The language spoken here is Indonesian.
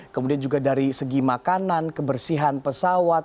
kemudian juga dari segi makanan kebersihan pesawat